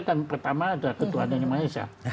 dan pertama ada ketua adanya malaysia